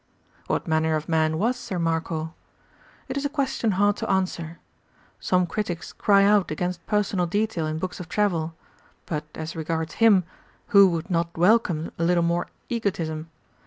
* 68. What manner of man was Ser Marco ? It is a question hard to answer. Some critics cry out against per jj;^ personal sonal detail in books of Travel ; but as regards him 3een'b"ur who would not welcome a little more egotism